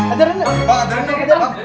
ajarin dong ajarin dong